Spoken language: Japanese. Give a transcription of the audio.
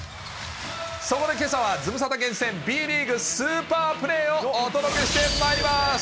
そこでけさは、ズムサタ厳選、Ｂリーグスーパープレーをお届けしてまいります。